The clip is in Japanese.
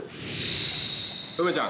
梅ちゃん。